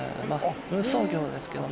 運送業ですけどま